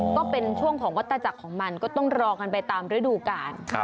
ก็เป็นช่วงของวัตจักรของมันก็ต้องรอกันไปตามฤดูกาล